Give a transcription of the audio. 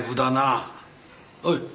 おい。